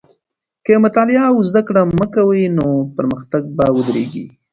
که مطالعه او زده کړه مه کوې، نو پرمختګ به ودرېږي.